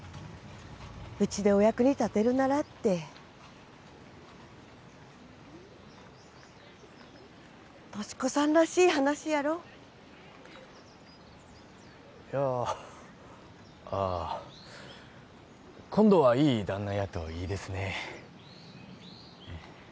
「うちでお役に立てるなら」って俊子さんらしい話やろいやああ今度はいい旦那やといいですね